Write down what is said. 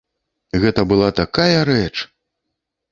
Гэта была такая рэч!